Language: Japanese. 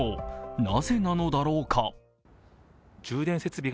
なぜなのだろうか？